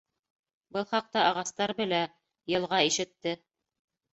Был хаҡта ағастар белә, йылға ишетте.